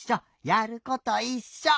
やることいっしょ。